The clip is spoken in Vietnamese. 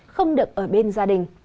không được ở bên gia đình